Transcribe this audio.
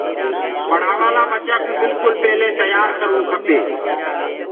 پڙهآوآ لآ ٻچآن ڪو بِلڪُل پيلي تيآ ڪروو ڪپي